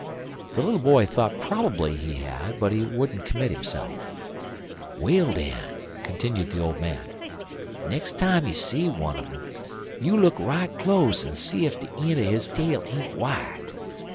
The little boy thought probably he had, but he wouldn't commit himself. "Well, den," continued the old man, "nex' time you see one un um, you look right close en see ef de een' er his tail ain't w'ite.